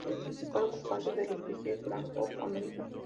El principal ocupante del edificio es Bank of America.